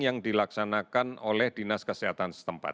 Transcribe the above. yang dilaksanakan oleh dinas kesehatan setempat